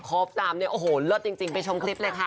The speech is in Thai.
ครบตามเนี่ยโอ้โหเลิศจริงไปชมคลิปเลยค่ะ